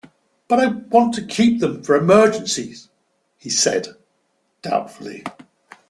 "But I want to keep them for emergencies" he said, doubtfully.